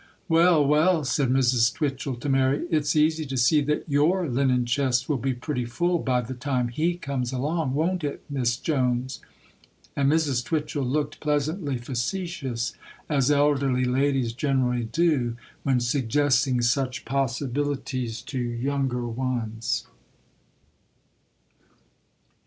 'Well, well,' said Mrs. Twitchel to Mary, 'it's easy to see that your linen chest will be pretty full by the time he comes along; won't it, Miss Jones?'—and Mrs Twitchel looked pleasantly facetious, as elderly ladies generally do, when suggesting such possibilities to younger ones.